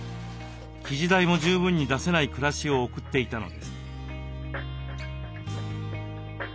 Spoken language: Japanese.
生地代も十分に出せない暮らしを送っていたのです。